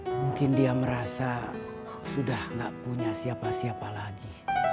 mungkin dia merasa sudah tidak punya siapa siapa lagi